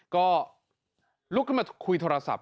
ก็ลุกขึ้นมาคุยโทรศัพท์